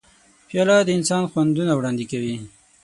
پیاله د انسان خوندونه وړاندې کوي.